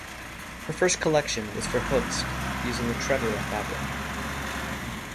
Her first collection was for Hoechst using the trevira fabric.